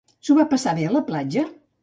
S'ho va passar bé a la platja?